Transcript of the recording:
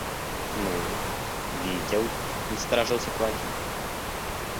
– Ну, видел, – насторожился Квакин.